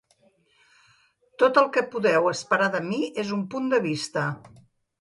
Tot el que podeu esperar de mi és un punt de vista.